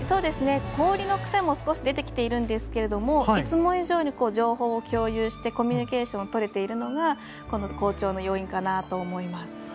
氷の癖も少し出てきているんですけどもいつも以上に情報を共有してコミュニケーションを取れているのが好調の要因かなと思います。